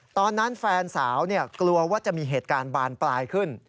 แฟนสาวกลัวว่าจะมีเหตุการณ์บานปลายขึ้น